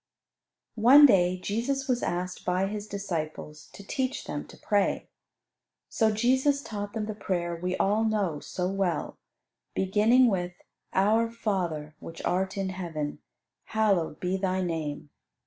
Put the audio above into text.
One day Jesus was asked by His disciples to teach them to pray. So Jesus taught them the prayer we all know so well, beginning with "Our Father, which art in Heaven, hallowed be Thy name."